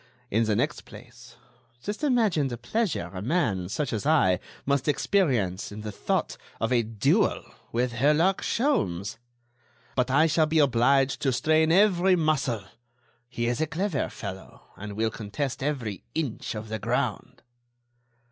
In the next place, just imagine the pleasure a man, such as I, must experience in the thought of a duel with Herlock Sholmes. But I shall be obliged to strain every muscle; he is a clever fellow, and will contest every inch of the ground."